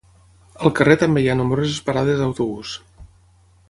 Al carrer també hi ha nombroses parades d'autobús.